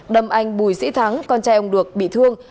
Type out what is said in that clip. đâm anh bùi sĩ thắng con trai ông được bị thương